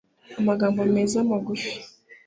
amagambo meza magufi